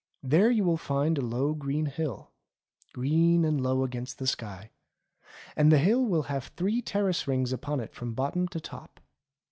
There you will find a low green hill ; green and low against the sky. And the hill will have three terrace rings upon it from bot tom to top.